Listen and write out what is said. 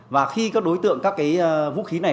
và khi các đối tượng các cái vũ khí này